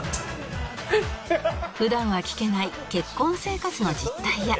普段は聞けない結婚生活の実態や